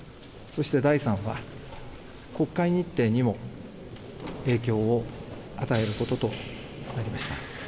そして、第３は国会日程にも影響を与えることとなりました。